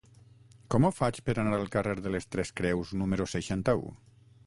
Com ho faig per anar al carrer de les Tres Creus número seixanta-u?